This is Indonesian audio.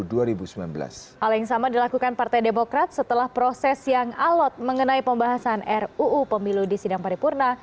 hal yang sama dilakukan partai demokrat setelah proses yang alot mengenai pembahasan ruu pemilu di sidang paripurna